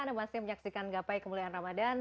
anda masih menyaksikan gapai kemuliaan ramadhan